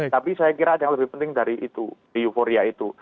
tapi saya kira ada yang lebih penting dari itu di euforia itu